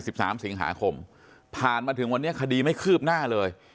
สามสิงหาคมผ่านมาถึงวันนี้คดีไม่คืบหน้าเลย